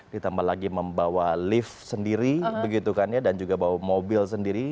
ditambah lagi membawa lift sendiri begitu kan ya dan juga bawa mobil sendiri